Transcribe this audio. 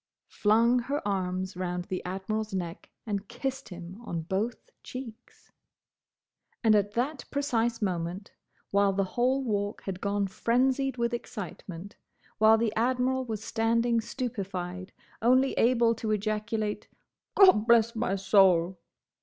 flung her arms round the Admiral's neck and kissed him on both cheeks. And at that precise moment, while the whole Walk had gone frenzied with excitement, while the Admiral was standing stupefied, only able to ejaculate "Gobblessmysoul!"